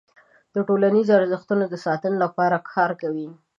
د ټولنیزو ارزښتونو د ساتنې لپاره کار کوي.